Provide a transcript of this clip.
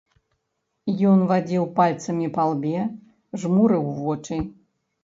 Ён вадзіў пальцамі па лбе, жмурыў вочы.